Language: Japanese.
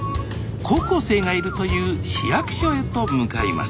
高校生がいるという市役所へと向かいます